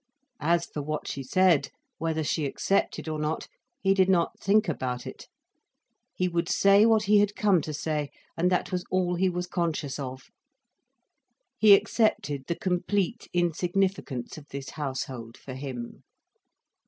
As for what she said, whether she accepted or not, he did not think about it. He would say what he had come to say, and that was all he was conscious of. He accepted the complete insignificance of this household, for him.